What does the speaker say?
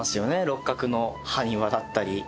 六角の埴輪だったり。